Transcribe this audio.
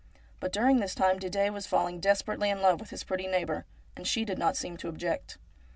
But during this time Didet was falling desperately in love with his pretty neighbour, and she did not seem to object.